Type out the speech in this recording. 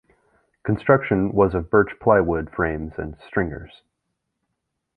Construction was of birch plywood frames and stringers.